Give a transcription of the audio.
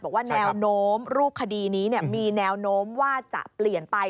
บอกว่าแนวโน้มรูปคดีนี้มีแนวโน้มว่าจะเปลี่ยนไป